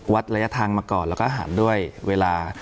ระยะทางมาก่อนแล้วก็หันด้วยเวลา